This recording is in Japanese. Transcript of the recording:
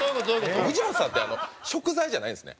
藤本さんって食材じゃないんですね。